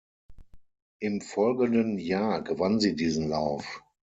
Im folgenden Jahr gewann sie diesen Lauf.